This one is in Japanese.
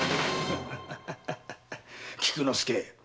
菊之助